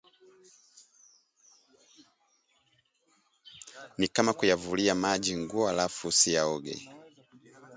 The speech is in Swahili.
Ni kama kuyavulia maji nguo alafu usiyaoge